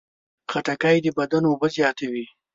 خټکی د بدن اوبه زیاتوي.